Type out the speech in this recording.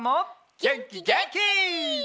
げんきげんき！